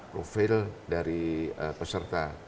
profil dari peserta